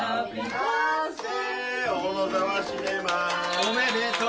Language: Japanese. おめでとう！